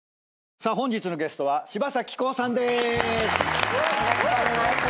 さあ本日のゲストは柴咲コウさんでーす！